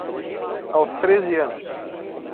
Aos treze anos